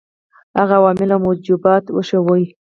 هغه عوامل او موجبات وښيیو.